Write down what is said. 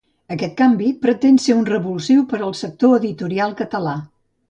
Aquest canvi pretén ser un revulsiu per al sector editorial català.